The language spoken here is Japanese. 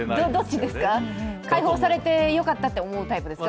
解放されてよかったって思うタイプですか。